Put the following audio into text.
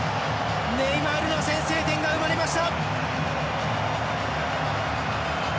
ネイマールの先制点が生まれました！